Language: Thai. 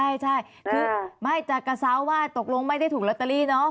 อ่าใช่ใช่คือไม่จากกระซาวว่าตกลงไม่ได้ถูกรัตเตอรี่เนอะ